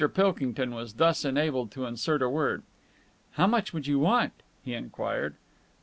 Pilkington was thus enabled to insert a word. "How much would you want?" he enquired.